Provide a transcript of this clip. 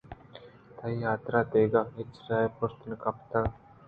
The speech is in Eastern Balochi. تئی حاترا دگہ ہچ راہے پشت نہ کپتگ